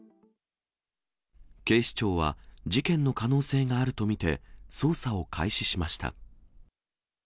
警視庁は、事件の可能性があると見て、捜査を開始しました。